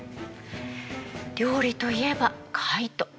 料理といえばカイト。